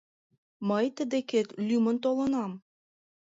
Мый тый декет лӱмын толынам.